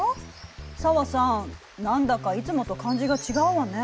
紗和さん何だかいつもと感じが違うわね。